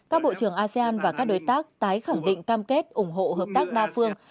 các bộ trưởng asean và các đối tác tái khẳng định cam kết ủng hộ hợp tác đa phương